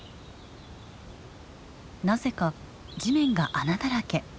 なぜか地面が穴だらけ。